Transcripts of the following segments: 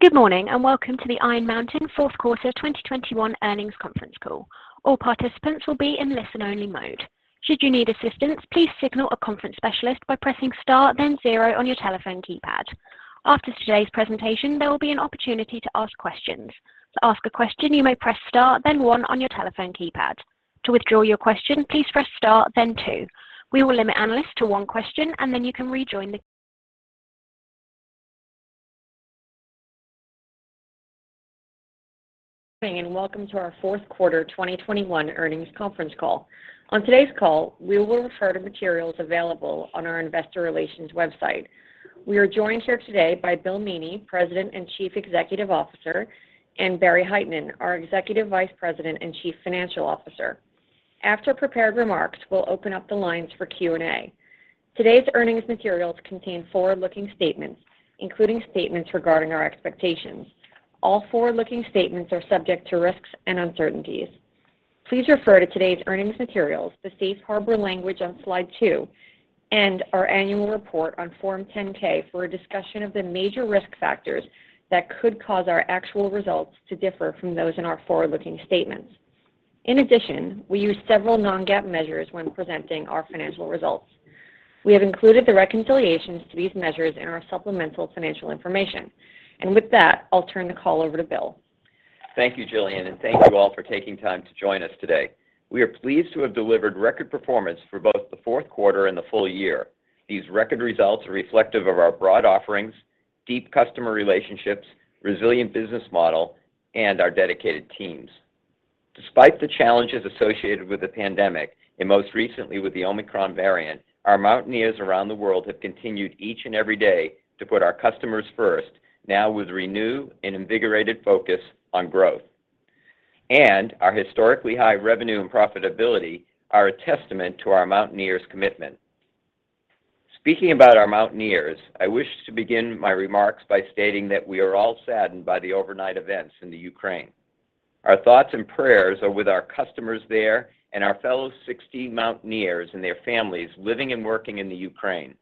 Good morning, and welcome to the Iron Mountain Fourth Quarter 2021 Earnings Conference Call. All participants will be in listen-only mode. Should you need assistance, please signal a conference specialist by pressing star, then zero on your telephone keypad. After today's presentation, there will be an opportunity to ask questions. To ask a question, you may press star, then one on your telephone keypad. To withdraw your question, please press star, then two. We will limit analysts to one question, and then you can rejoin. Good morning, and welcome to our fourth quarter 2021 earnings conference call. On today's call, we will refer to materials available on our investor relations website. We are joined here today by Bill Meaney, President and Chief Executive Officer, and Barry Hytinen, our Executive Vice President and Chief Financial Officer. After prepared remarks, we'll open up the lines for Q&A. Today's earnings materials contain forward-looking statements, including statements regarding our expectations. All forward-looking statements are subject to risks and uncertainties. Please refer to today's earnings materials, the safe harbor language on slide 2, and our annual report on Form 10-K for a discussion of the major risk factors that could cause our actual results to differ from those in our forward-looking statements. In addition, we use several non-GAAP measures when presenting our financial results. We have included the reconciliations to these measures in our supplemental financial information. With that, I'll turn the call over to Bill. Thank you, Gillian, and thank you all for taking time to join us today. We are pleased to have delivered record performance for both the fourth quarter and the full year. These record results are reflective of our broad offerings, deep customer relationships, resilient business model, and our dedicated teams. Despite the challenges associated with the pandemic, and most recently with the Omicron variant, our Mountaineers around the world have continued each and every day to put our customers first, now with renewed and invigorated focus on growth. Our historically high revenue and profitability are a testament to our Mountaineers' commitment. Speaking about our Mountaineers, I wish to begin my remarks by stating that we are all saddened by the overnight events in the Ukraine. Our thoughts and prayers are with our customers there and our fellow 60 Mountaineers and their families living and working in the Ukraine.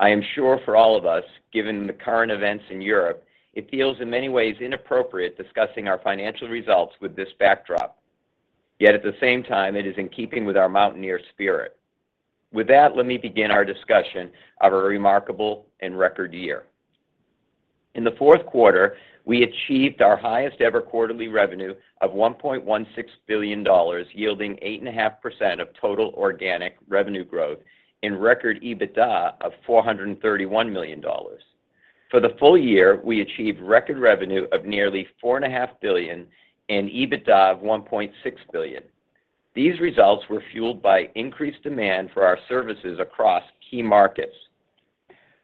I am sure for all of us, given the current events in Europe, it feels in many ways inappropriate discussing our financial results with this backdrop. Yet at the same time, it is in keeping with our Mountaineer spirit. With that, let me begin our discussion of a remarkable and record year. In the fourth quarter, we achieved our highest-ever quarterly revenue of $1.16 billion, yielding 8.5% total organic revenue growth and record EBITDA of $431 million. For the full year, we achieved record revenue of nearly $4.5 billion and EBITDA of $1.6 billion. These results were fueled by increased demand for our services across key markets.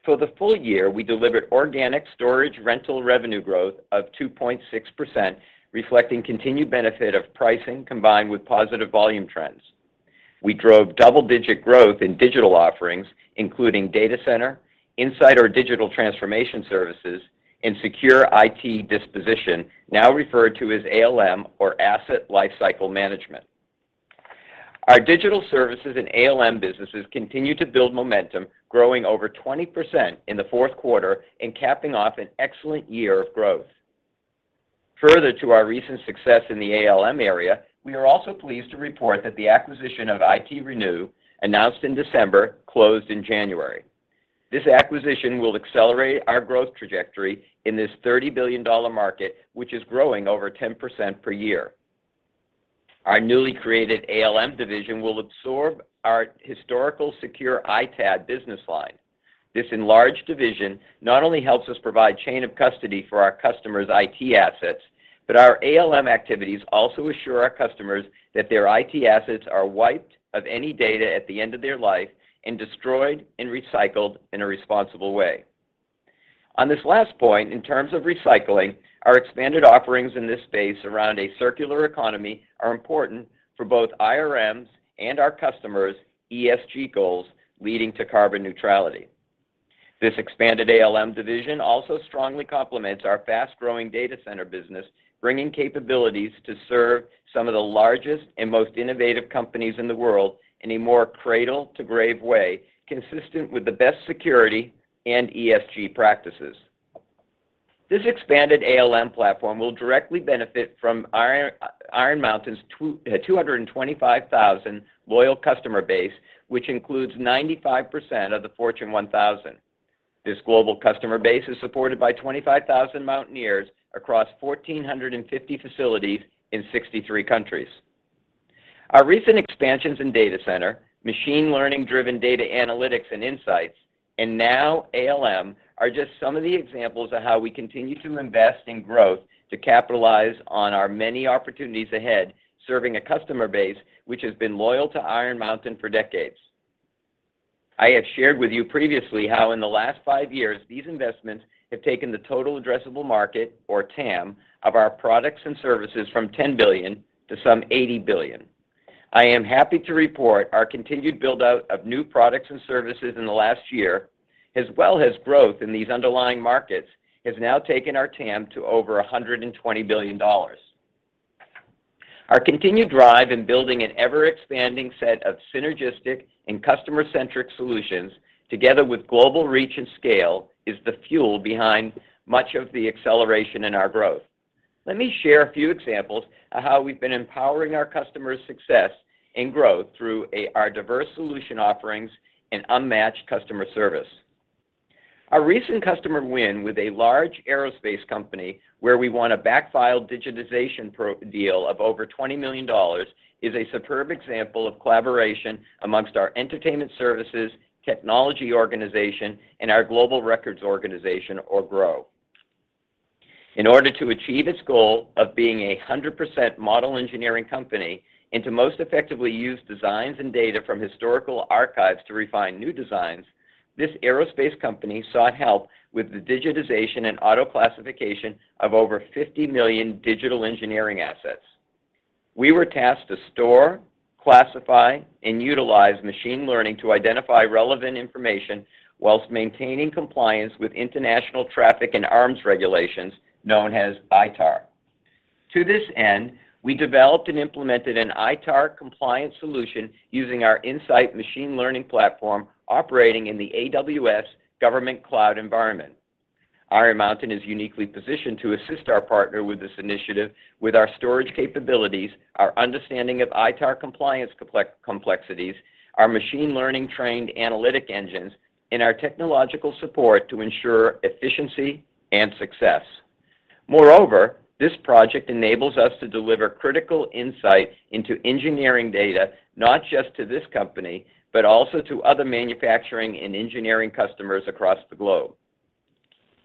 For the full year, we delivered organic storage rental revenue growth of 2.6%, reflecting continued benefit of pricing combined with positive volume trends. We drove double-digit growth in digital offerings, including data center, InSight digital transformation services, and secure IT disposition, now referred to as ALM or Asset Lifecycle Management. Our digital services and ALM businesses continue to build momentum, growing over 20% in the fourth quarter and capping off an excellent year of growth. Further to our recent success in the ALM area, we are also pleased to report that the acquisition of ITRenew, announced in December, closed in January. This acquisition will accelerate our growth trajectory in this $30 billion market, which is growing over 10% per year. Our newly created ALM division will absorb our historical secure ITAD business line. This enlarged division not only helps us provide chain of custody for our customers' IT assets, but our ALM activities also assure our customers that their IT assets are wiped of any data at the end of their life and destroyed and recycled in a responsible way. On this last point, in terms of recycling, our expanded offerings in this space around a circular economy are important for both IRM's and our customers' ESG goals leading to carbon neutrality. This expanded ALM division also strongly complements our fast-growing data center business, bringing capabilities to serve some of the largest and most innovative companies in the world in a more cradle-to-grave way, consistent with the best security and ESG practices. This expanded ALM platform will directly benefit from Iron Mountain's 225,000 loyal customer base, which includes 95% of the Fortune 1000. This global customer base is supported by 25,000 Mountaineers across 1,450 facilities in 63 countries. Our recent expansions in data center, machine learning-driven data analytics and insights, and now ALM are just some of the examples of how we continue to invest in growth to capitalize on our many opportunities ahead, serving a customer base which has been loyal to Iron Mountain for decades. I have shared with you previously how in the last 5 years, these investments have taken the total addressable market or TAM of our products and services from $10 billion to some $80 billion. I am happy to report our continued build-out of new products and services in the last year, as well as growth in these underlying markets, has now taken our TAM to over $120 billion. Our continued drive in building an ever-expanding set of synergistic and customer-centric solutions together with global reach and scale is the fuel behind much of the acceleration in our growth. Let me share a few examples of how we've been empowering our customers' success and growth through our diverse solution offerings and unmatched customer service. A recent customer win with a large aerospace company where we won a backfile digitization deal of over $20 million is a superb example of collaboration amongst our Entertainment Services, technology organization, and our global records organization, or GROW. In order to achieve its goal of being a 100% model engineering company and to most effectively use designs and data from historical archives to refine new designs, this aerospace company sought help with the digitization and auto-classification of over 50 million digital engineering assets. We were tasked to store, classify, and utilize machine learning to identify relevant information while maintaining compliance with International Traffic in Arms Regulations, known as ITAR. To this end, we developed and implemented an ITAR-compliant solution using our InSight machine learning platform operating in the AWS government cloud environment. Iron Mountain is uniquely positioned to assist our partner with this initiative with our storage capabilities, our understanding of ITAR compliance complexities, our machine learning-trained analytic engines, and our technological support to ensure efficiency and success. Moreover, this project enables us to deliver critical insight into engineering data, not just to this company, but also to other manufacturing and engineering customers across the globe.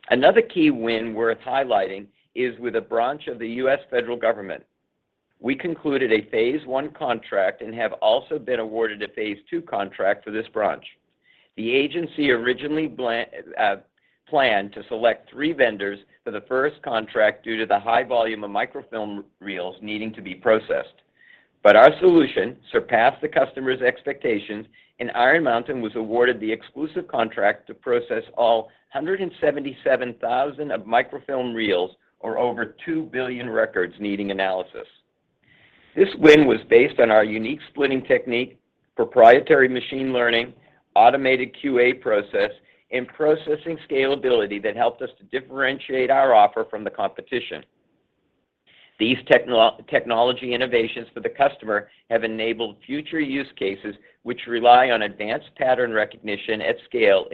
Another key win worth highlighting is with a branch of the U.S. Federal Government. We concluded a Phase 1 contract and have also been awarded a Phase 2 contract for this branch. The agency originally planned to select three vendors for the first contract due to the high volume of microfilm reels needing to be processed. Our solution surpassed the customer's expectations, and Iron Mountain was awarded the exclusive contract to process all 177,000 microfilm reels, or over 2 billion records needing analysis. This win was based on our unique splitting technique, proprietary machine learning, automated QA process, and processing scalability that helped us to differentiate our offer from the competition. These technology innovations for the customer have enabled future use cases which rely on advanced pattern recognition at scale,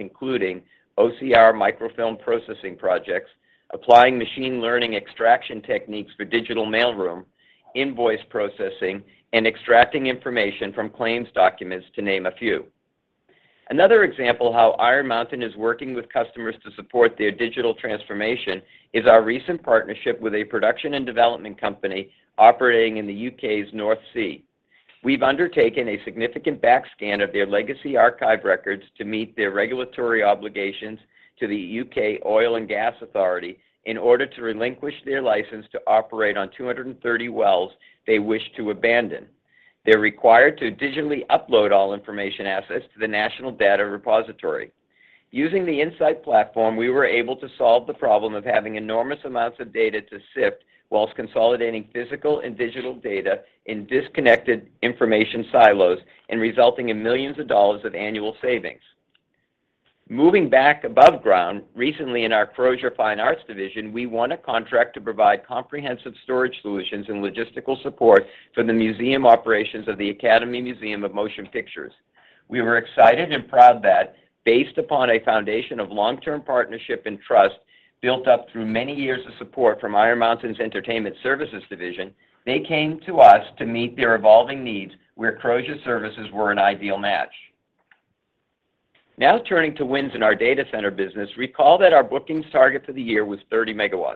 including OCR microfilm processing projects, applying machine learning extraction techniques for digital mailroom, invoice processing, and extracting information from claims documents, to name a few. Another example of how Iron Mountain is working with customers to support their digital transformation is our recent partnership with a production and development company operating in the U.K.'s North Sea. We've undertaken a significant backscan of their legacy archive records to meet their regulatory obligations to the U.K. Oil and Gas Authority in order to relinquish their license to operate on 230 wells they wish to abandon. They're required to digitally upload all information assets to the National Data Repository. Using the InSight platform, we were able to solve the problem of having enormous amounts of data to sift while consolidating physical and digital data in disconnected information silos and resulting in $ millions of annual savings. Moving back above ground, recently in our Crozier Fine Arts Division, we won a contract to provide comprehensive storage solutions and logistical support for the museum operations of the Academy Museum of Motion Pictures. We were excited and proud that, based upon a foundation of long-term partnership and trust built up through many years of support from Iron Mountain's Entertainment Services Division, they came to us to meet their evolving needs where Crozier services were an ideal match. Now turning to wins in our data center business, recall that our bookings target for the year was 30 MW.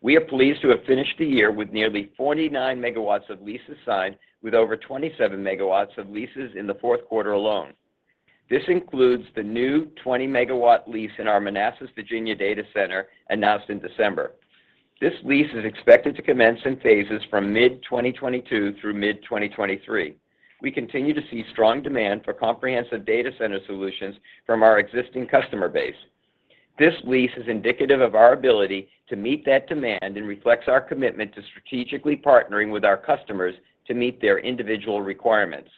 We are pleased to have finished the year with nearly 49 MW of leases signed with over 27 MW of leases in the fourth quarter alone. This includes the new 20-MW lease in our Manassas, Virginia data center announced in December. This lease is expected to commence in phases from mid-2022 through mid-2023. We continue to see strong demand for comprehensive data center solutions from our existing customer base. This lease is indicative of our ability to meet that demand and reflects our commitment to strategically partnering with our customers to meet their individual requirements.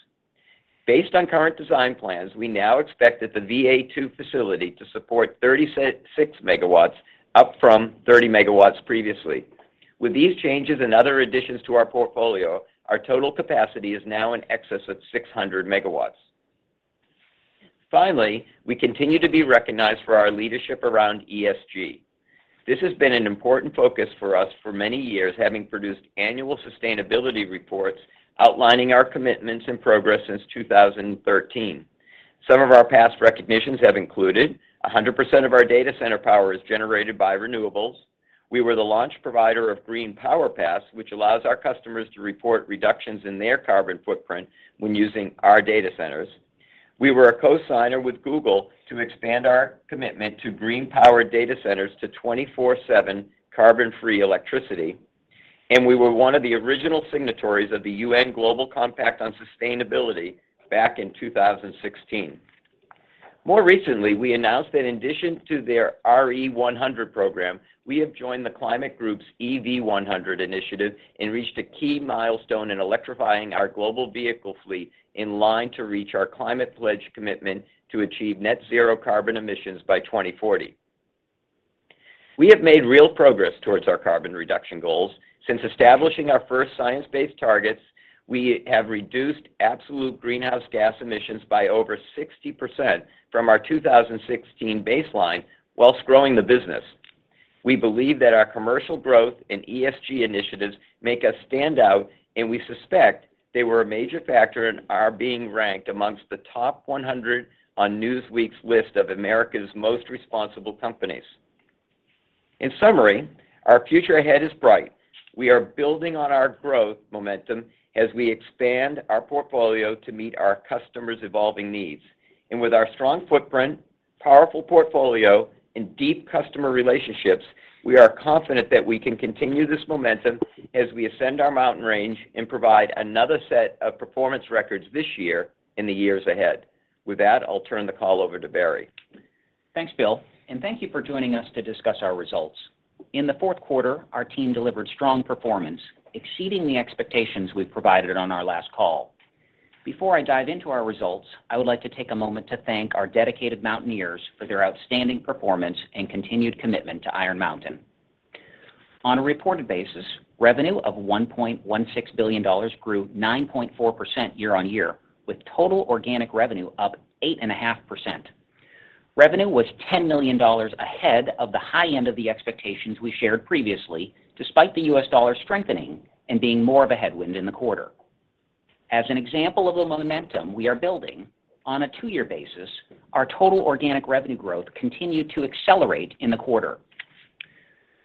Based on current design plans, we now expect the VA-2 facility to support 36 MW up from 30 MW previously. With these changes and other additions to our portfolio, our total capacity is now in excess of 600 MW. Finally, we continue to be recognized for our leadership around ESG. This has been an important focus for us for many years, having produced annual sustainability reports outlining our commitments and progress since 2013. Some of our past recognitions have included 100% of our data center power is generated by renewables. We were the launch provider of Green Power Pass, which allows our customers to report reductions in their carbon footprint when using our data centers. We were a co-signer with Google to expand our commitment to green power data centers to 24/7 carbon-free electricity. We were one of the original signatories of the UN Global Compact on Sustainability back in 2016. More recently, we announced that in addition to their RE100 program, we have joined the Climate Group's EV100 initiative and reached a key milestone in electrifying our global vehicle fleet in line to reach our climate pledge commitment to achieve net zero carbon emissions by 2040. We have made real progress towards our carbon reduction goals. Since establishing our first science-based targets, we have reduced absolute greenhouse gas emissions by over 60% from our 2016 baseline while growing the business. We believe that our commercial growth and ESG initiatives make us stand out, and we suspect they were a major factor in our being ranked amongst the top 100 on Newsweek's list of America's Most Responsible Companies. In summary, our future ahead is bright. We are building on our growth momentum as we expand our portfolio to meet our customers' evolving needs. With our strong footprint, powerful portfolio, and deep customer relationships, we are confident that we can continue this momentum as we ascend our mountain range and provide another set of performance records this year in the years ahead. With that, I'll turn the call over to Barry. Thanks, Bill, and thank you for joining us to discuss our results. In the fourth quarter, our team delivered strong performance, exceeding the expectations we provided on our last call. Before I dive into our results, I would like to take a moment to thank our dedicated Mountaineers for their outstanding performance and continued commitment to Iron Mountain. On a reported basis, revenue of $1.16 billion grew 9.4% year-on-year, with total organic revenue up 8.5%. Revenue was $10 million ahead of the high end of the expectations we shared previously, despite the U.S. dollar strengthening and being more of a headwind in the quarter. As an example of the momentum we are building, on a two-year basis, our total organic revenue growth continued to accelerate in the quarter.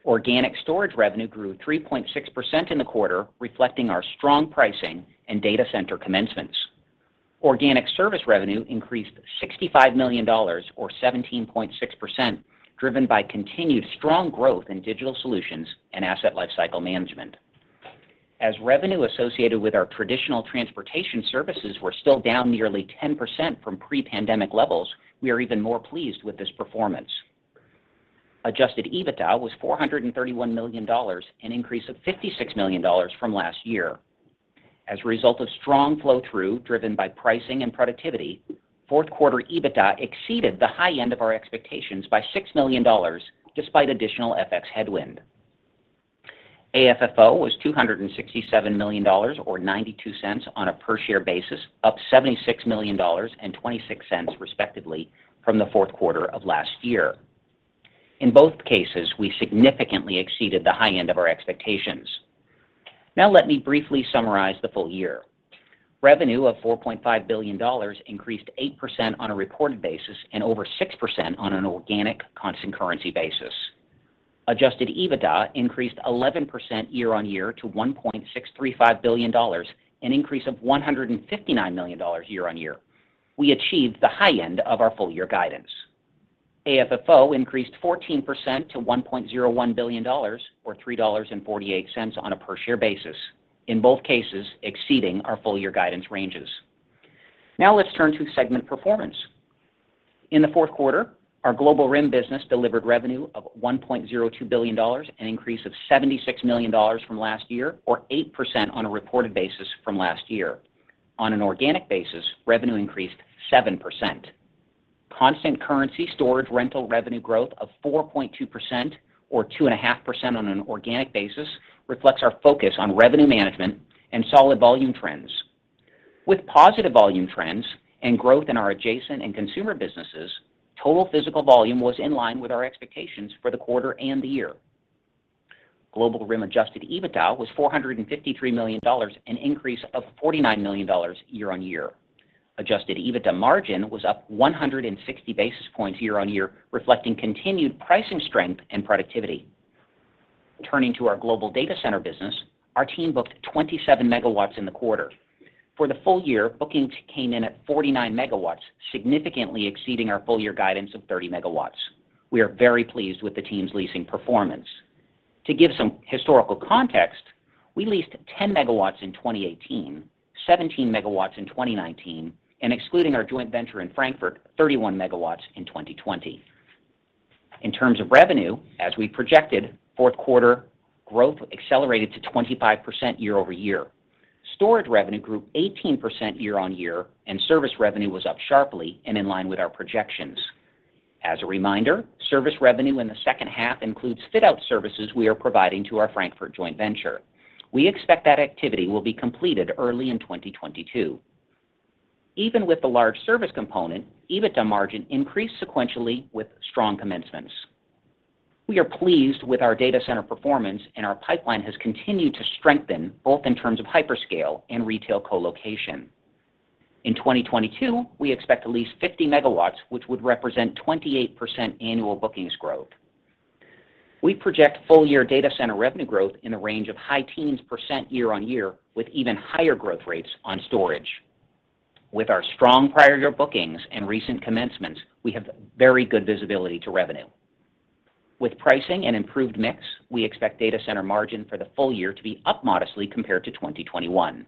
Organic storage revenue grew 3.6% in the quarter, reflecting our strong pricing and data center commencements. Organic service revenue increased $65 million or 17.6%, driven by continued strong growth in digital solutions and Asset Lifecycle Management. As revenue associated with our traditional transportation services were still down nearly 10% from pre-pandemic levels, we are even more pleased with this performance. Adjusted EBITDA was $431 million, an increase of $56 million from last year. As a result of strong flow-through driven by pricing and productivity, fourth quarter EBITDA exceeded the high end of our expectations by $6 million despite additional FX headwind. AFFO was $267 million or $0.92 on a per share basis, up $76 million and $0.26 respectively from the fourth quarter of last year. In both cases, we significantly exceeded the high end of our expectations. Now let me briefly summarize the full year. Revenue of $4.5 billion increased 8% on a reported basis and over 6% on an organic constant currency basis. Adjusted EBITDA increased 11% year-on-year to $1.635 billion, an increase of $159 million year-on-year. We achieved the high end of our full-year guidance. AFFO increased 14% to $1.01 billion or $3.48 on a per share basis, in both cases exceeding our full year guidance ranges. Now let's turn to segment performance. In the fourth quarter, our Global RIM business delivered revenue of $1.02 billion, an increase of $76 million from last year or 8% on a reported basis from last year. On an organic basis, revenue increased 7%. Constant currency storage rental revenue growth of 4.2% or 2.5% on an organic basis reflects our focus on revenue management and solid volume trends. With positive volume trends and growth in our adjacent and consumer businesses, total physical volume was in line with our expectations for the quarter and the year. Global RIM adjusted EBITDA was $453 million, an increase of $49 million year-on-year. Adjusted EBITDA margin was up 160 basis points year-on-year, reflecting continued pricing strength and productivity. Turning to our global data center business, our team booked 27 MW in the quarter. For the full year, bookings came in at 49 MW, significantly exceeding our full-year guidance of 30 MW. We are very pleased with the team's leasing performance. To give some historical context, we leased 10 MW in 2018, 17 MW in 2019, and excluding our joint venture in Frankfurt, 31 MW in 2020. In terms of revenue, as we projected, fourth quarter growth accelerated to 25% year-over-year. Storage revenue grew 18% year-over-year, and service revenue was up sharply and in line with our projections. As a reminder, service revenue in the second half includes fit out services we are providing to our Frankfurt joint venture. We expect that activity will be completed early in 2022. Even with the large service component, EBITDA margin increased sequentially with strong commencements. We are pleased with our data center performance, and our pipeline has continued to strengthen both in terms of hyperscale and retail co-location. In 2022, we expect to lease 50 MW, which would represent 28% annual bookings growth. We project full-year data center revenue growth in the range of high teens percent year-on-year with even higher growth rates on storage. With our strong prior year bookings and recent commencements, we have very good visibility to revenue. With pricing and improved mix, we expect data center margin for the full year to be up modestly compared to 2021.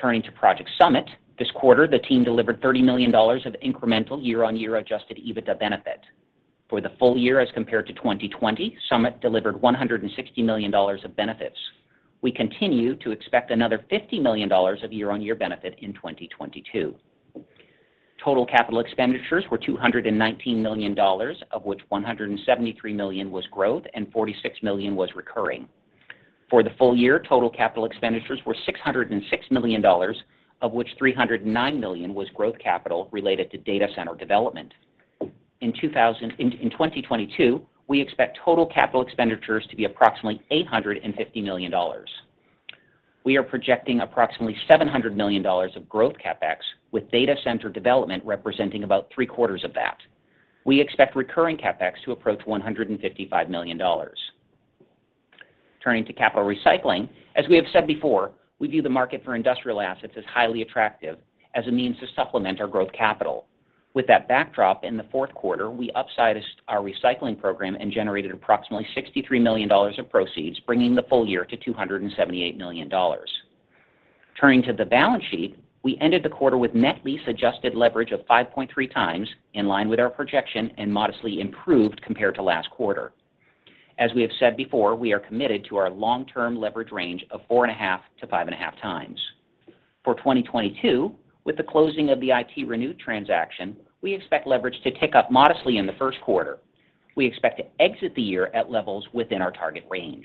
Turning to Project Summit, this quarter, the team delivered $30 million of incremental year-on-year adjusted EBITDA benefit. For the full year as compared to 2020, Summit delivered $160 million of benefits. We continue to expect another $50 million of year-on-year benefit in 2022. Total capital expenditures were $219 million, of which $173 million was growth and $46 million was recurring. For the full year, total capital expenditures were $606 million, of which $309 million was growth capital related to data center development. In 2022, we expect total capital expenditures to be approximately $850 million. We are projecting approximately $700 million of growth CapEx, with data center development representing about three-quarters of that. We expect recurring CapEx to approach $155 million. Turning to capital recycling, as we have said before, we view the market for industrial assets as highly attractive as a means to supplement our growth capital. With that backdrop, in the fourth quarter, we upsized our recycling program and generated approximately $63 million of proceeds, bringing the full year to $278 million. Turning to the balance sheet, we ended the quarter with net lease-adjusted leverage of 5.3x, in line with our projection and modestly improved compared to last quarter. We have said before, we are committed to our long-term leverage range of 4.5x-5.5x. For 2022, with the closing of the ITRenew transaction, we expect leverage to tick up modestly in the first quarter. We expect to exit the year at levels within our target range.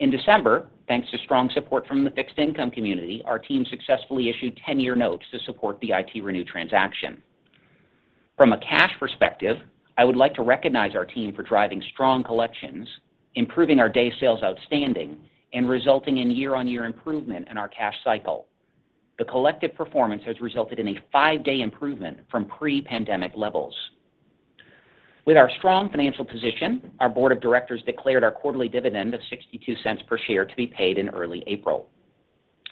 In December, thanks to strong support from the fixed income community, our team successfully issued 10-year notes to support the ITRenew transaction. From a cash perspective, I would like to recognize our team for driving strong collections, improving our DSO, and resulting in year-over-year improvement in our cash cycle. The collective performance has resulted in a 5-day improvement from pre-pandemic levels. With our strong financial position, our board of directors declared our quarterly dividend of $0.62 per share to be paid in early April.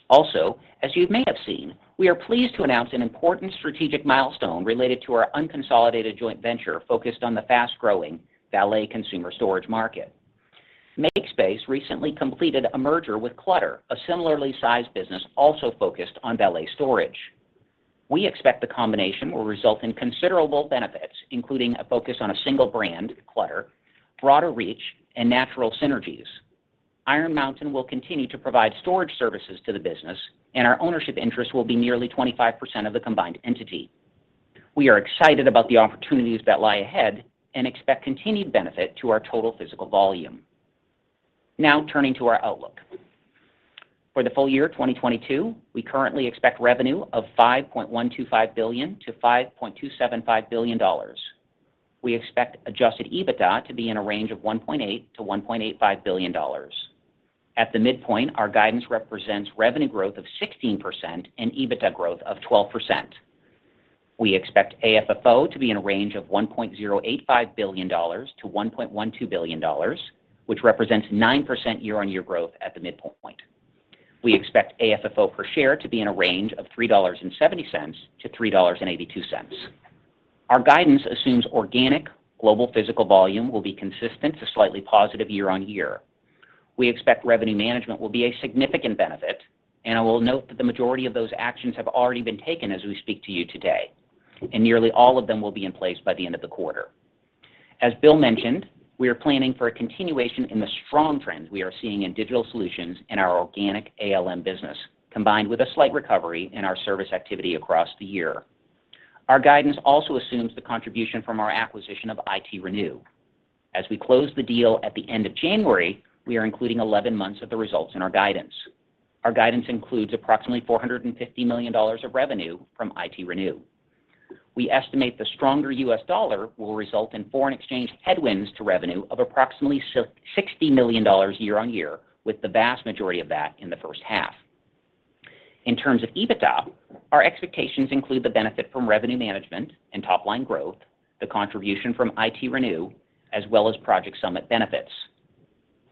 Also, as you may have seen, we are pleased to announce an important strategic milestone related to our unconsolidated joint venture focused on the fast-growing valet consumer storage market. MakeSpace recently completed a merger with Clutter, a similarly sized business also focused on valet storage. We expect the combination will result in considerable benefits, including a focus on a single brand, Clutter, broader reach, and natural synergies. Iron Mountain will continue to provide storage services to the business, and our ownership interest will be nearly 25% of the combined entity. We are excited about the opportunities that lie ahead and expect continued benefit to our total physical volume. Now, turning to our outlook. For the full year 2022, we currently expect revenue of $5.125 billion-$5.275 billion. We expect adjusted EBITDA to be in a range of $1.8 billion-$1.85 billion. At the midpoint, our guidance represents revenue growth of 16% and EBITDA growth of 12%. We expect AFFO to be in a range of $1.085 billion-$1.12 billion, which represents 9% year-on-year growth at the midpoint. We expect AFFO per share to be in a range of $3.70-$3.82. Our guidance assumes organic global physical volume will be consistent to slightly positive year-on-year. We expect revenue management will be a significant benefit, and I will note that the majority of those actions have already been taken as we speak to you today, and nearly all of them will be in place by the end of the quarter. As Bill mentioned, we are planning for a continuation in the strong trends we are seeing in digital solutions in our organic ALM business, combined with a slight recovery in our service activity across the year. Our guidance also assumes the contribution from our acquisition of ITRenew. As we close the deal at the end of January, we are including 11 months of the results in our guidance. Our guidance includes approximately $450 million of revenue from ITRenew. We estimate the stronger U.S. dollar will result in foreign exchange headwinds to revenue of approximately $60 million year-on-year, with the vast majority of that in the first half. In terms of EBITDA, our expectations include the benefit from revenue management and top-line growth, the contribution from ITRenew, as well as Project Summit benefits.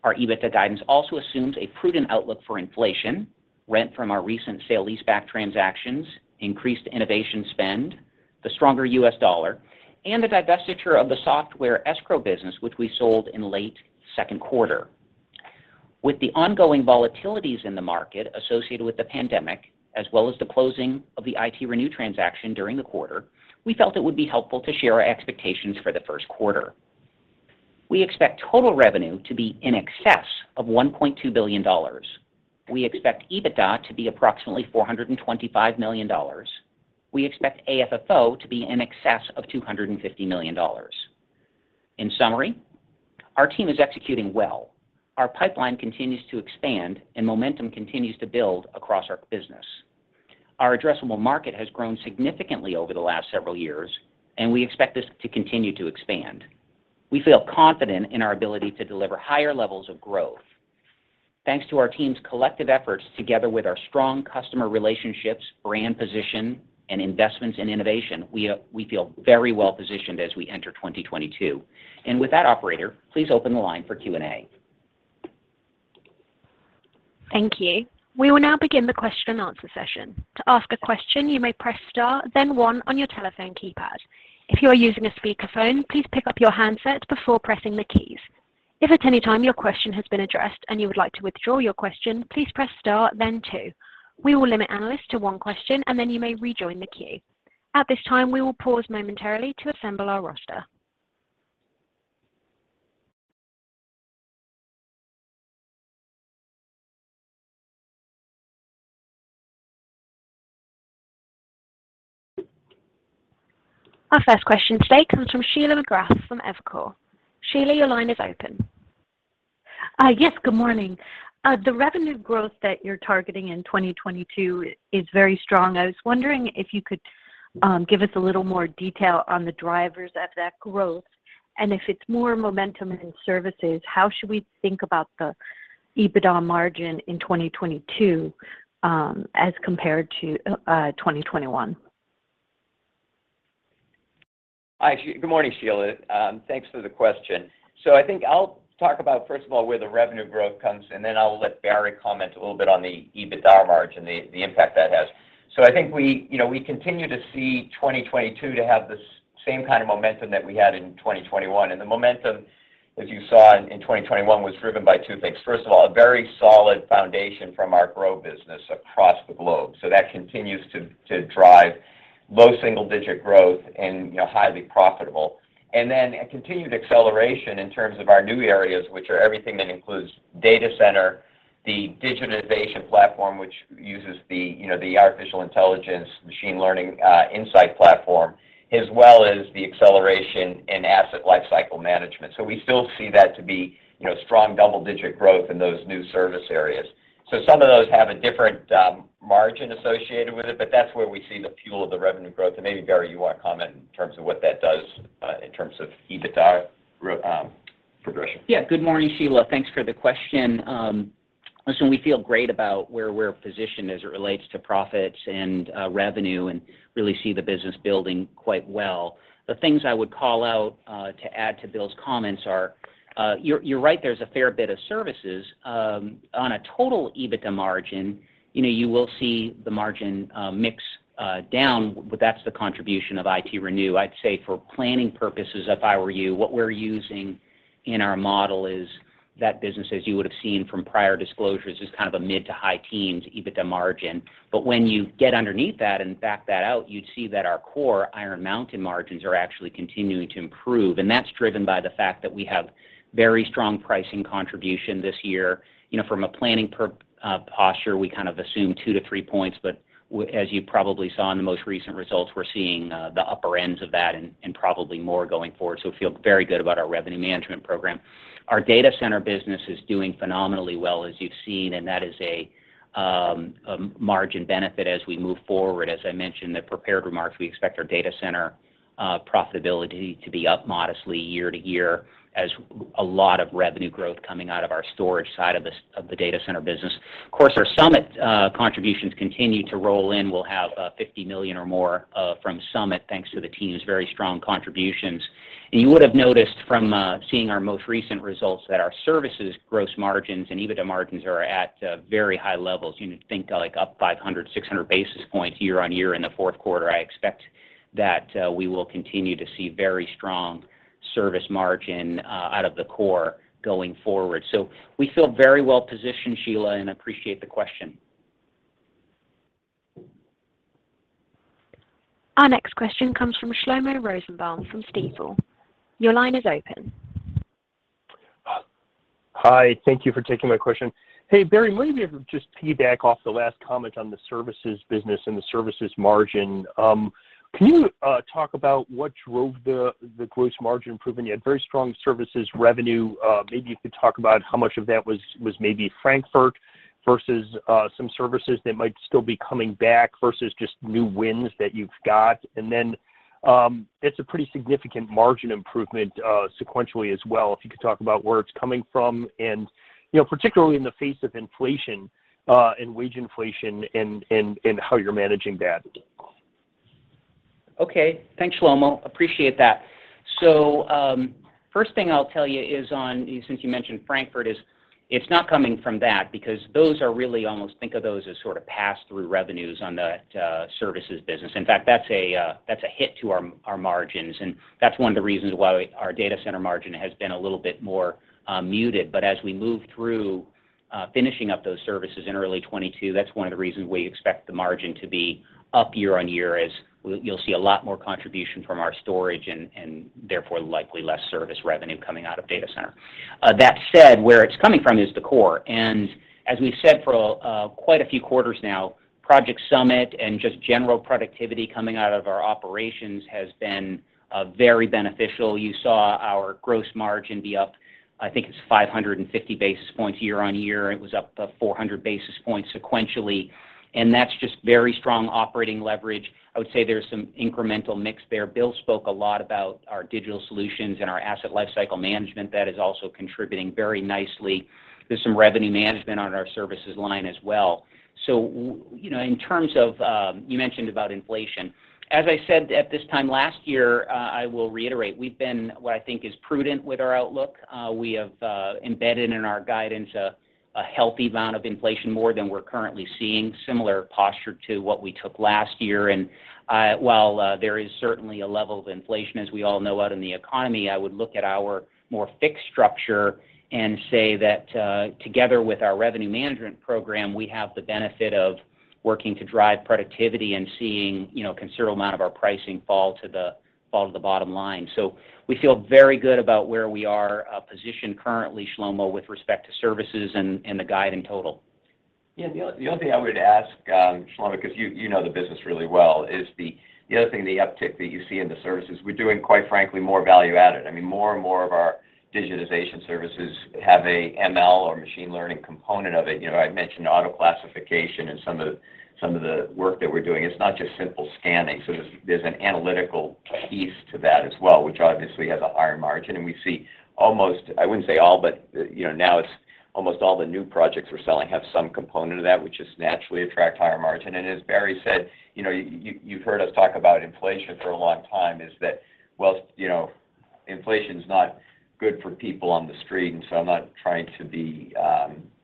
Our EBITDA guidance also assumes a prudent outlook for inflation, rent from our recent sale-leaseback transactions, increased innovation spend, the stronger U.S. dollar, and the divestiture of the software escrow business, which we sold in late second quarter. With the ongoing volatilities in the market associated with the pandemic, as well as the closing of the ITRenew transaction during the quarter, we felt it would be helpful to share our expectations for the first quarter. We expect total revenue to be in excess of $1.2 billion. We expect EBITDA to be approximately $425 million. We expect AFFO to be in excess of $250 million. In summary, our team is executing well. Our pipeline continues to expand, and momentum continues to build across our business. Our addressable market has grown significantly over the last several years, and we expect this to continue to expand. We feel confident in our ability to deliver higher levels of growth. Thanks to our team's collective efforts together with our strong customer relationships, brand position, and investments in innovation, we feel very well-positioned as we enter 2022. With that, operator, please open the line for Q&A. Thank you. We will now begin the question-and-answer session. To ask a question, you may press star then one on your telephone keypad. If you are using a speakerphone, please pick up your handset before pressing the keys. If at any time your question has been addressed and you would like to withdraw your question, please press star then two. We will limit analysts to one question, and then you may rejoin the queue. At this time, we will pause momentarily to assemble our roster. Our first question today comes from Sheila McGrath from Evercore. Sheila, your line is open. Yes. Good morning. The revenue growth that you're targeting in 2022 is very strong. I was wondering if you could give us a little more detail on the drivers of that growth, and if it's more momentum in services, how should we think about the EBITDA margin in 2022, as compared to 2021? Hi. Good morning, Sheila. Thanks for the question. I think I'll talk about, first of all, where the revenue growth comes, and then I'll let Barry comment a little bit on the EBITDA margin, the impact that has. I think we, you know, we continue to see 2022 to have the same kind of momentum that we had in 2021, and the momentum that you saw in 2021 was driven by two things. First of all, a very solid foundation from our GROW business across the globe, so that continues to drive low single-digit growth and, you know, highly profitable. A continued acceleration in terms of our new areas, which are everything that includes data center, the digital innovation platform, which uses the, you know, the artificial intelligence machine learning, InSight platform, as well as the acceleration in Asset Lifecycle Management. We still see that to be, you know, strong double-digit growth in those new service areas. Some of those have a different margin associated with it, but that's where we see the fuel of the revenue growth. Maybe, Barry, you want to comment in terms of what that does in terms of EBITDA progression. Yeah. Good morning, Sheila. Thanks for the question. Listen, we feel great about where we're positioned as it relates to profits and revenue and really see the business building quite well. The things I would call out to add to Bill's comments are you're right, there's a fair bit of services. On a total EBITDA margin, you know, you will see the margin mix down, but that's the contribution of ITRenew. I'd say for planning purposes, if I were you, what we're using in our model is that business, as you would have seen from prior disclosures, is kind of a mid to high teens EBITDA margin. But when you get underneath that and back that out, you'd see that our core Iron Mountain margins are actually continuing to improve. That's driven by the fact that we have very strong pricing contribution this year. You know, from a planning posture, we kind of assume 2%-3%. As you probably saw in the most recent results, we're seeing the upper ends of that and probably more going forward. We feel very good about our revenue management program. Our data center business is doing phenomenally well, as you've seen, and that is a margin benefit as we move forward. As I mentioned in the prepared remarks, we expect our data center profitability to be up modestly year-over-year as a lot of revenue growth coming out of our storage side of the data center business. Of course, our Summit contributions continue to roll in. We'll have $50 million or more from Summit, thanks to the team's very strong contributions. You would have noticed from seeing our most recent results that our services gross margins and EBITDA margins are at very high levels. You know, think like up 500, 600 basis points year-over-year in the fourth quarter. I expect that we will continue to see very strong service margin out of the core going forward. We feel very well-positioned, Sheila, and appreciate the question. Our next question comes from Shlomo Rosenbaum from Stifel. Your line is open. Hi. Thank you for taking my question. Hey, Barry, let me just tee back off the last comment on the services business and the services margin. Can you talk about what drove the gross margin improvement? You had very strong services revenue. Maybe you could talk about how much of that was maybe Frankfurt versus some services that might still be coming back versus just new wins that you've got. It's a pretty significant margin improvement sequentially as well, if you could talk about where it's coming from and, you know, particularly in the face of inflation and wage inflation and how you're managing that. Okay. Thanks, Shlomo. Appreciate that. First thing I'll tell you is, since you mentioned Frankfurt, it's not coming from that because those are really almost think of those as sort of pass-through revenues on the services business. In fact, that's a hit to our margins, and that's one of the reasons why our data center margin has been a little bit more muted. As we move through finishing up those services in early 2022, that's one of the reasons we expect the margin to be up year-on-year, as you'll see a lot more contribution from our storage and therefore likely less service revenue coming out of data center. That said, where it's coming from is the core. As we've said for quite a few quarters now, Project Summit and just general productivity coming out of our operations has been very beneficial. You saw our gross margin be up, I think it's 550 basis points year-on-year. It was up 400 basis points sequentially, and that's just very strong operating leverage. I would say there's some incremental mix there. Bill spoke a lot about our digital solutions and our Asset Lifecycle Management that is also contributing very nicely. There's some revenue management on our services line as well. You know, in terms of, you mentioned about inflation. As I said at this time last year, I will reiterate, we've been what I think is prudent with our outlook. We have embedded in our guidance a healthy amount of inflation, more than we're currently seeing, similar posture to what we took last year. While there is certainly a level of inflation, as we all know, out in the economy, I would look at our more fixed structure and say that together with our revenue management program, we have the benefit of working to drive productivity and seeing, you know, a considerable amount of our pricing fall to the bottom line. We feel very good about where we are positioned currently, Shlomo, with respect to services and the guide in total. Yeah. The only thing I would ask, Shlomo, because you know the business really well, is the other thing, the uptick that you see in the services. We're doing, quite frankly, more value-added. I mean, more and more of our digitization services have a ML or machine learning component of it. You know, I mentioned auto-classification and some of the work that we're doing. It's not just simple scanning. So there's an analytical piece to that as well, which obviously has a higher margin. We see almost, I wouldn't say all, but you know, now it's almost all the new projects we're selling have some component of that, which just naturally attract higher margin. As Barry said, you know, you've heard us talk about inflation for a long time, that is, while, you know, inflation's not good for people on the street, and so I'm not trying to be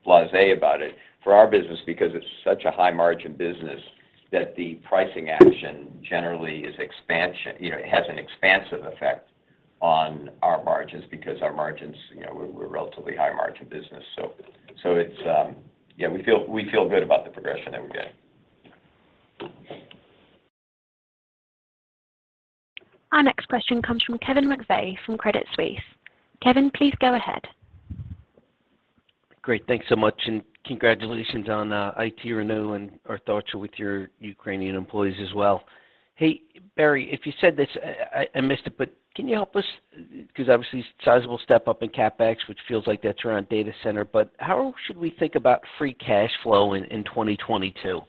blasé about it. For our business, because it's such a high-margin business that the pricing action generally is expansion. You know, it has an expansive effect on our margins because our margins, you know, we're a relatively high-margin business. So it's. Yeah, we feel good about the progression that we get. Our next question comes from Kevin McVeigh from Credit Suisse. Kevin, please go ahead. Great. Thanks so much, and congratulations on ITRenew, and our thoughts are with your Ukrainian employees as well. Hey, Barry, if you said this, I missed it, but can you help us? Because obviously, sizable step-up in CapEx, which feels like that's around data center. But how should we think about free cash flow in 2022?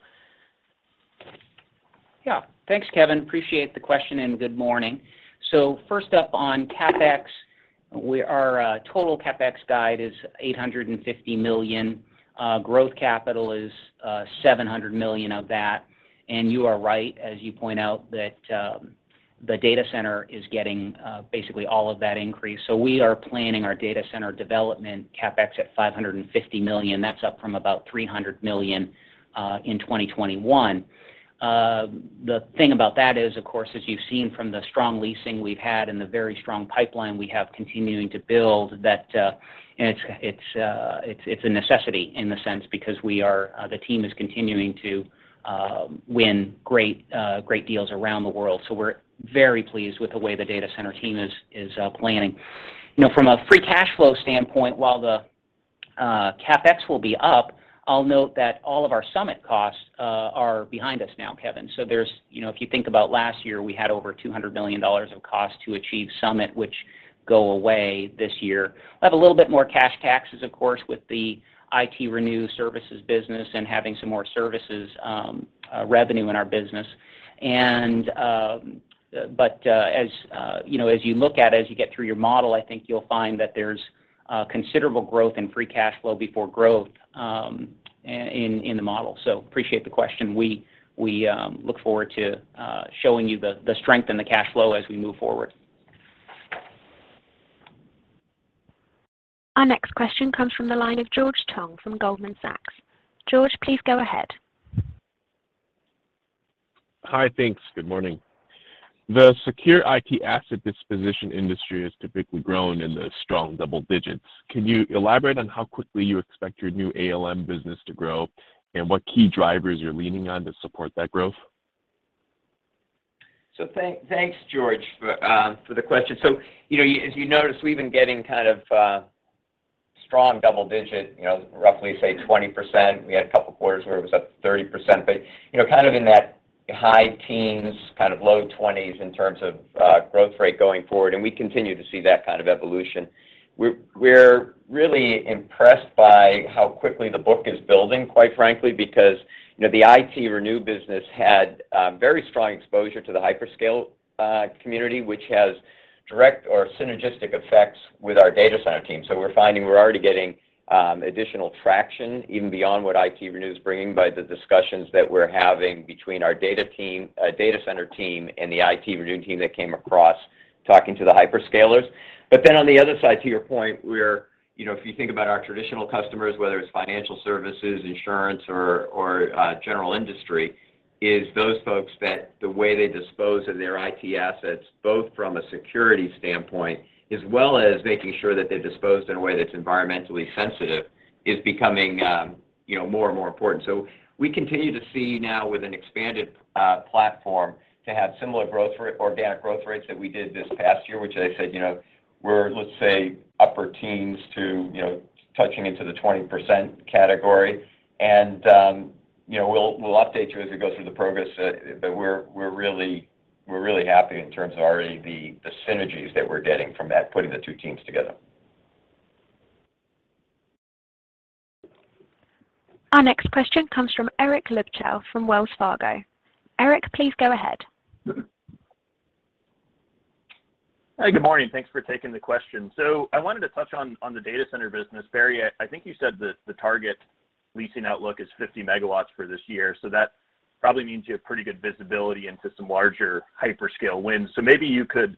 Yeah. Thanks, Kevin. Appreciate the question, and good morning. First up on CapEx, our total CapEx guide is $850 million. Growth capital is $700 million of that. You are right, as you point out, that the data center is getting basically all of that increase. We are planning our data center development CapEx at $550 million. That's up from about $300 million in 2021. The thing about that is, of course, as you've seen from the strong leasing we've had and the very strong pipeline we have continuing to build that. It's a necessity in the sense because we are, the team is continuing to win great deals around the world. We're very pleased with the way the data center team is planning. You know, from a free cash flow standpoint, while the CapEx will be up, I'll note that all of our Summit costs are behind us now, Kevin. There's, you know, if you think about last year, we had over $200 million of cost to achieve Summit, which go away this year. We have a little bit more cash taxes, of course, with the ITRenew services business and having some more services revenue in our business. But as you know, as you look at it, as you get through your model, I think you'll find that there's considerable growth in free cash flow before growth in the model. Appreciate the question. We look forward to showing you the strength in the cash flow as we move forward. Our next question comes from the line of George Tong from Goldman Sachs. George, please go ahead. Hi. Thanks. Good morning. The secure IT asset disposition industry has typically grown in the strong double digits. Can you elaborate on how quickly you expect your new ALM business to grow and what key drivers you're leaning on to support that growth? Thanks, George, for the question. As you notice, we've been getting kind of strong double-digit, you know, roughly say 20%. We had a couple quarters where it was up to 30%. You know, kind of in that high teens, kind of low 20s in terms of growth rate going forward, and we continue to see that kind of evolution. We're really impressed by how quickly the book is building, quite frankly, because you know, the ITRenew business had very strong exposure to the hyperscale community, which has direct or synergistic effects with our data center team. We're finding we're already getting additional traction even beyond what ITRenew is bringing by the discussions that we're having between our data team, data center team and the ITRenew team that came across talking to the hyperscalers. On the other side, to your point, we're, you know, if you think about our traditional customers, whether it's financial services, insurance, or general industry, is those folks that the way they dispose of their IT assets, both from a security standpoint as well as making sure that they're disposed in a way that's environmentally sensitive, is becoming, you know, more and more important. We continue to see now with an expanded platform to have similar growth rate, organic growth rates that we did this past year, which as I said, you know, we're, let's say, upper teens to, you know, touching into the 20% category. You know, we'll update you as we go through the progress, but we're really happy in terms of already the synergies that we're getting from that, putting the two teams together. Our next question comes from Eric Luebchow from Wells Fargo. Eric, please go ahead. Hey, good morning. Thanks for taking the question. I wanted to touch on the data center business. Barry, I think you said that the target leasing outlook is 50 MW for this year. That probably means you have pretty good visibility into some larger hyperscale wins. Maybe you could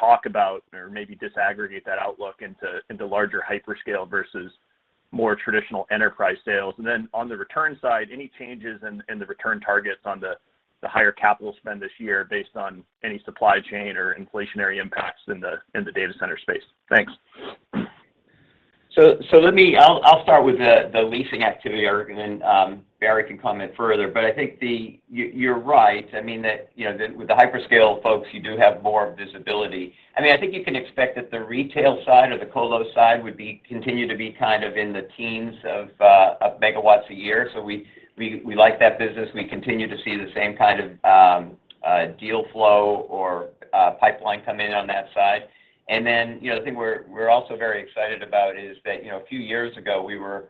talk about or maybe disaggregate that outlook into larger hyperscale versus more traditional enterprise sales. Then on the return side, any changes in the return targets on the higher capital spend this year based on any supply chain or inflationary impacts in the data center space? Thanks. Let me start with the leasing activity, Eric, and then Barry can comment further. I think you're right. I mean, you know, with the hyperscale folks, you do have more visibility. I mean, I think you can expect that the retail side or the colo side would continue to be kind of in the teens of MW a year. We like that business. We continue to see the same kind of deal flow or pipeline come in on that side. You know, the thing we're also very excited about is that, you know, a few years ago, we were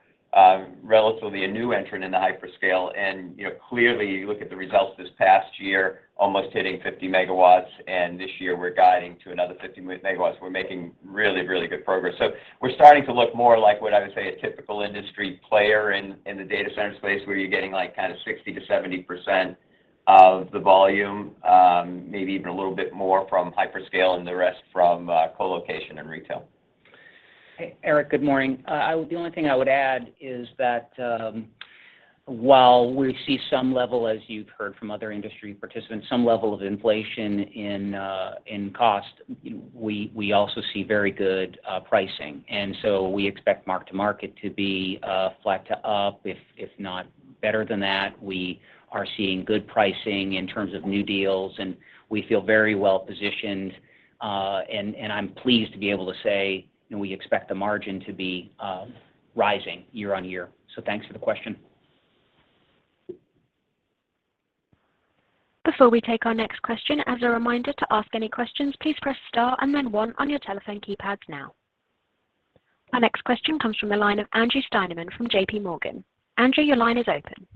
relatively a new entrant in the hyperscale. You know, clearly, you look at the results this past year, almost hitting 50 MW, and this year we're guiding to another 50 MW. We're making really good progress. We're starting to look more like what I would say a typical industry player in the data center space, where you're getting like kind of 60%-70% of the volume, maybe even a little bit more from hyperscale and the rest from colocation and retail. Eric, good morning. The only thing I would add is that, while we see some level, as you've heard from other industry participants, some level of inflation in cost, we also see very good pricing. We expect mark to market to be flat to up, if not better than that. We are seeing good pricing in terms of new deals, and we feel very well-positioned. I'm pleased to be able to say we expect the margin to be rising year on year. Thanks for the question. Before we take our next question, as a reminder to ask any questions, please press star and then one on your telephone keypads now. Our next question comes from the line of Andrew Steinerman from JP Morgan. Andrew, your line is open.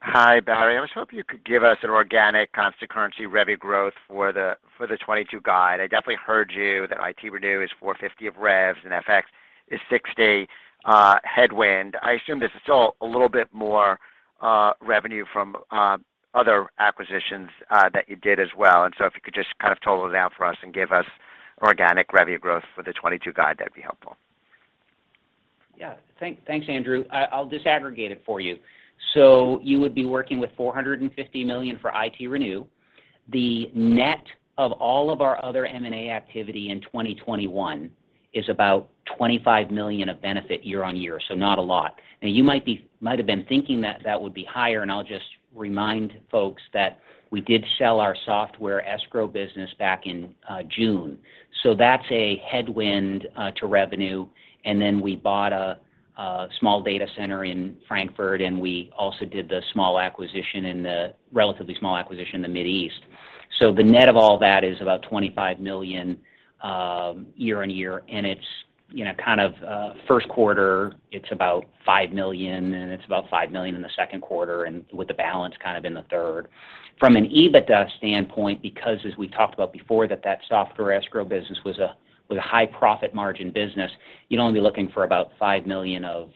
Hi, Barry. I was hoping you could give us an organic constant currency revenue growth for the 2022 guide. I definitely heard you that ITRenew is $450 of revs and FX is $60 headwind. I assume there's still a little bit more revenue from other acquisitions that you did as well. If you could just kind of total it out for us and give us organic revenue growth for the 2022 guide, that'd be helpful. Thanks, Andrew. I'll disaggregate it for you. You would be working with $450 million for ITRenew. The net of all of our other M&A activity in 2021 is about $25 million of benefit year on year. Not a lot. Now, you might have been thinking that that would be higher, and I'll just remind folks that we did sell our software escrow business back in June. That's a headwind to revenue. We bought a small data center in Frankfurt, and we also did the relatively small acquisition in the Middle East. The net of all that is about $25 million year-on-year, and it's, you know, kind of first quarter, it's about $5 million, and it's about $5 million in the second quarter and with the balance kind of in the third. From an EBITDA standpoint, because as we talked about before that software escrow business was a high profit margin business, you'd only be looking for about $5 million of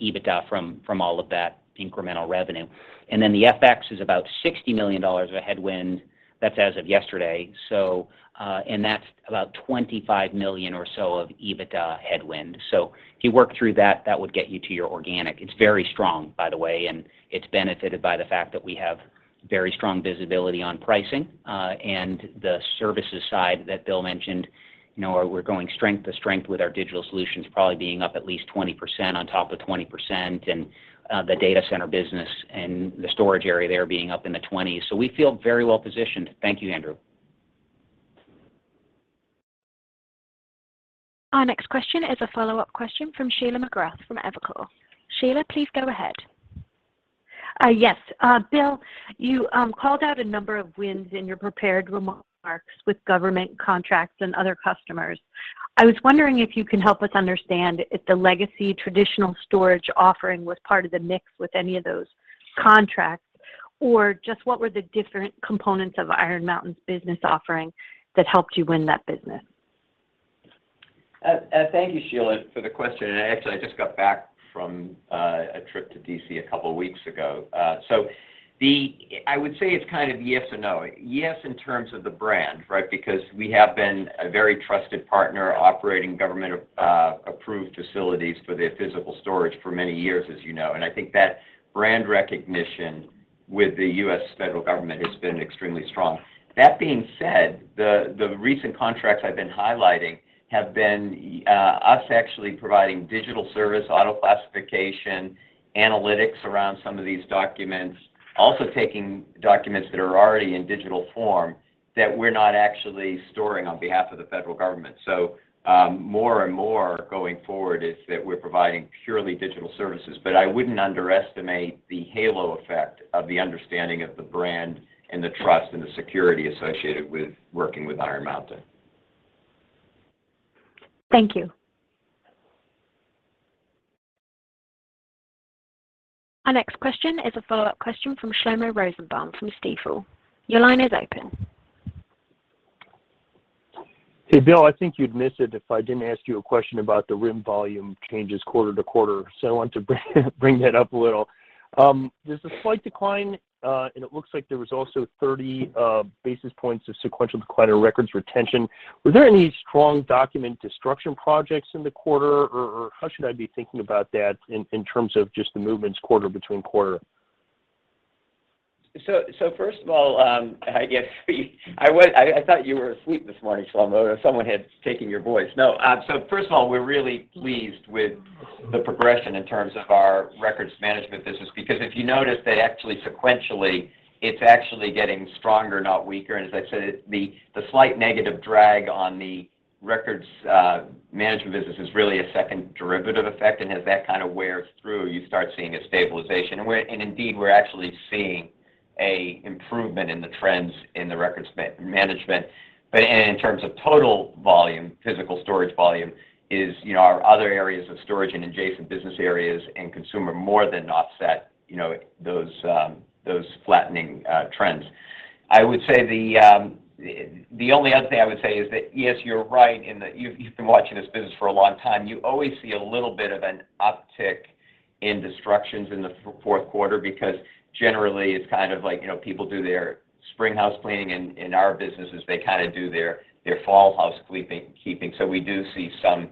EBITDA from all of that incremental revenue. Then the FX is about $60 million of headwind. That's as of yesterday. That's about $25 million or so of EBITDA headwind. If you work through that would get you to your organic. It's very strong, by the way, and it's benefited by the fact that we have very strong visibility on pricing, and the services side that Bill mentioned, you know, we're going from strength to strength with our digital solutions probably being up at least 20% on top of 20%, and the data center business and the storage area there being up in the 20s. We feel very well-positioned. Thank you, Andrew. Our next question is a follow-up question from Sheila McGrath from Evercore. Sheila, please go ahead. Yes. Bill, you called out a number of wins in your prepared remarks with government contracts and other customers. I was wondering if you can help us understand if the legacy traditional storage offering was part of the mix with any of those contracts, or just what were the different components of Iron Mountain's business offering that helped you win that business? Thank you, Sheila, for the question. Actually, I just got back from a trip to D.C. a couple weeks ago. I would say it's kind of yes and no. Yes in terms of the brand, right? Because we have been a very trusted partner operating government-approved facilities for their physical storage for many years, as you know. I think that brand recognition with the U.S. Federal Government has been extremely strong. That being said, the recent contracts I've been highlighting have been us actually providing digital service, auto-classification, analytics around some of these documents, also taking documents that are already in digital form that we're not actually storing on behalf of the U.S. Federal Government. More and more going forward is that we're providing purely digital services. I wouldn't underestimate the halo effect of the understanding of the brand and the trust and the security associated with working with Iron Mountain. Thank you. Our next question is a follow-up question from Shlomo Rosenbaum from Stifel. Your line is open. Hey, Bill, I think you'd miss it if I didn't ask you a question about the RIM volume changes quarter to quarter. I want to bring that up a little. There's a slight decline, and it looks like there was also 30 basis points of sequential decline in records retention. Were there any strong document destruction projects in the quarter or how should I be thinking about that in terms of just the movements quarter to quarter? First of all, I thought you were asleep this morning, Shlomo, or someone had taken your voice. No. First of all, we're really pleased with the progression in terms of our records management business. Because if you notice that actually sequentially it's actually getting stronger, not weaker. As I said, it... The slight negative drag on the records management business is really a second derivative effect. As that kind of wears through, you start seeing a stabilization. We're actually seeing an improvement in the trends in the records management. In terms of total volume, physical storage volume is, you know, our other areas of storage and adjacent business areas and consumer more than offset, you know, those flattening trends. I would say the only other thing I would say is that, yes, you're right in that you've been watching this business for a long time. You always see a little bit of an uptick in destructions in the fourth quarter because generally it's kind of like, you know, people do their spring house cleaning. In our businesses they kind of do their fall house cleaning-keeping. So we do see some,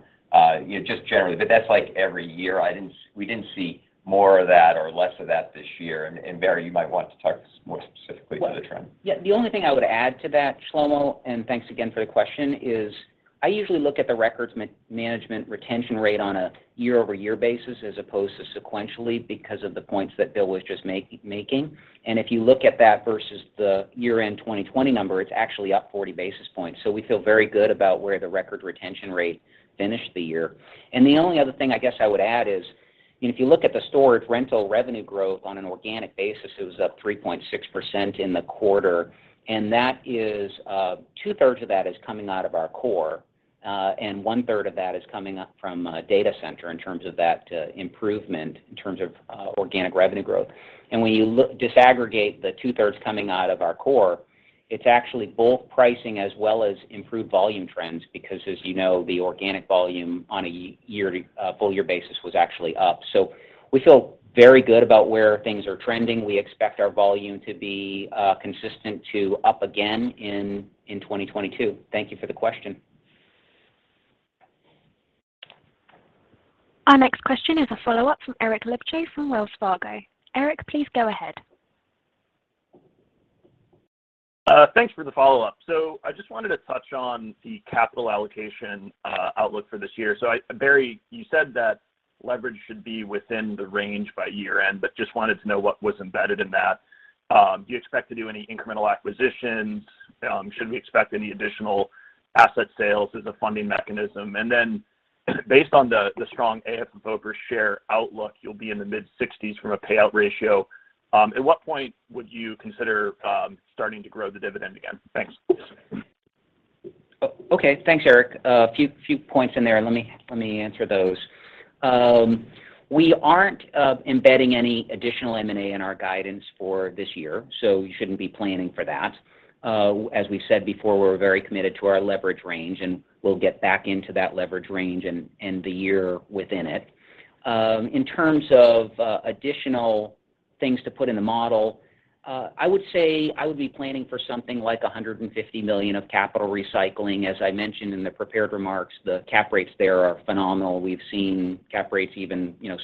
you know, just generally, but that's like every year. We didn't see more of that or less of that this year and Barry, you might want to talk more specifically to the trend. Yeah. The only thing I would add to that, Shlomo, and thanks again for the question, is I usually look at the records management retention rate on a year-over-year basis as opposed to sequentially because of the points that Bill was just making. If you look at that versus the year-end 2020 number, it's actually up 40 basis points. So we feel very good about where the record retention rate finished the year. The only other thing I guess I would add is, you know, if you look at the storage rental revenue growth on an organic basis, it was up 3.6% in the quarter, and that is, two-thirds of that is coming out of our core, and one-third of that is coming from data center in terms of that improvement in terms of organic revenue growth. When you look disaggregate the two-thirds coming out of our core, it is actually both pricing as well as improved volume trends because as you know, the organic volume on a year-to-year full year basis was actually up. We feel very good about where things are trending. We expect our volume to be consistent to up again in 2022. Thank you for the question. Our next question is a follow-up from Eric Luebchow from Wells Fargo. Eric, please go ahead. Thanks for the follow-up. I just wanted to touch on the capital allocation outlook for this year. Barry, you said that leverage should be within the range by year-end, but just wanted to know what was embedded in that. Do you expect to do any incremental acquisitions? Should we expect any additional asset sales as a funding mechanism? Based on the strong AFFO per share outlook, you'll be in the mid-60s% payout ratio. At what point would you consider starting to grow the dividend again? Thanks. Okay. Thanks, Eric. A few points in there. Let me answer those. We aren't embedding any additional M&A in our guidance for this year, so you shouldn't be planning for that. As we've said before, we're very committed to our leverage range, and we'll get back into that leverage range and end the year within it. In terms of additional things to put in the model, I would say I would be planning for something like $150 million of capital recycling. As I mentioned in the prepared remarks, the cap rates there are phenomenal. We've seen cap rates even, you know,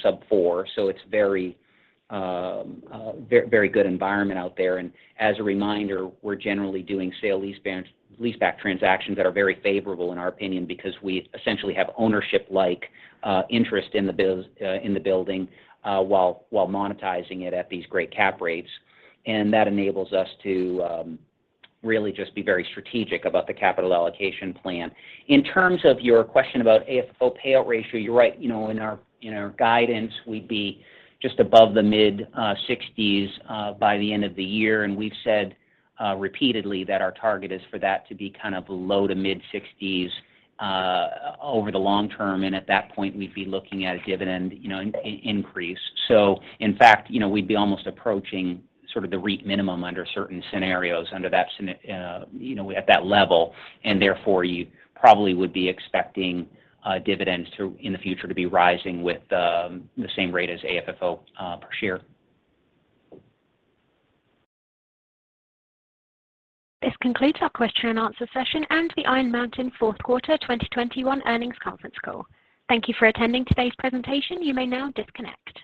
sub-4%. So it's very very good environment out there. As a reminder, we're generally doing sale-leaseback transactions that are very favorable in our opinion because we essentially have ownership like interest in the building while monetizing it at these great cap rates. That enables us to really just be very strategic about the capital allocation plan. In terms of your question about AFFO payout ratio, you're right. You know, in our guidance, we'd be just above the mid-60s by the end of the year. We've said repeatedly that our target is for that to be kind of low to mid-60s over the long term, and at that point, we'd be looking at a dividend, you know, increase. In fact, you know, we'd be almost approaching sort of the REIT minimum under certain scenarios under that scenario, you know, at that level. Therefore, you probably would be expecting dividends in the future to be rising with the same rate as AFFO per share. This concludes our question and answer session and the Iron Mountain Fourth Quarter 2021 Earnings Conference Call. Thank you for attending today's presentation. You may now disconnect.